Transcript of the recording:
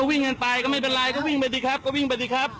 วิ่งกันไปก็ไม่เป็นไรก็วิ่งไปดีครับก็วิ่งไปดีครับ